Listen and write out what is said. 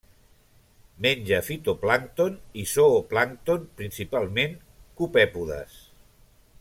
Menja fitoplàncton i zooplàncton, principalment copèpodes.